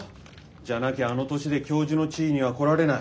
じゃなきゃあの年で教授の地位には来られない。